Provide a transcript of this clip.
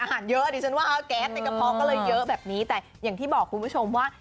เยอะดิฉันว่าแก๊สในกระเพาะก็เลยเยอะแบบนี้แต่อย่างที่บอกคุณผู้ชมว่า